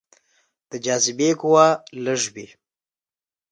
د جاذبې قوه لږه وي.